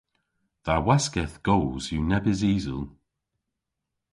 Dha waskedh goos yw nebes isel.